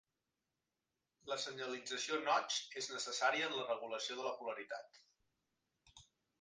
La senyalització Notch és necessària en la regulació de la polaritat.